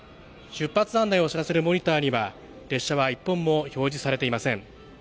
出発案内を知らせるモニターには、列車は１本も表示されていません。